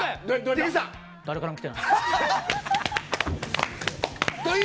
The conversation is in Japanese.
誰からも来てない。